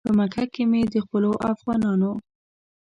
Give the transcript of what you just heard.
په مکه کې مې د خپلو افغانانو.